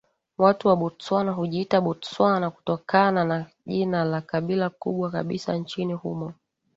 Watu wa Botswana hujiita Batswana kutokana na jina la kabila kubwa kabisa nchini humo